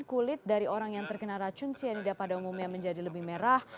kulit dari orang yang terkena racun cyanida pada umumnya menjadi lebih merah